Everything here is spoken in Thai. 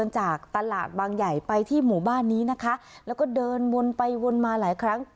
จากตลาดบางใหญ่ไปที่หมู่บ้านนี้นะคะแล้วก็เดินวนไปวนมาหลายครั้ง